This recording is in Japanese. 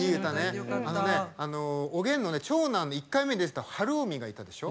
あのねおげんの長男で１回目に出てた晴臣がいたでしょ。